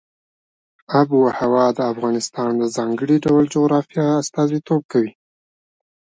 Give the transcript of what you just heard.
آب وهوا د افغانستان د ځانګړي ډول جغرافیه استازیتوب کوي.